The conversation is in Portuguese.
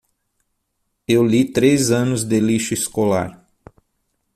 Eu li três anos de lixo escolar.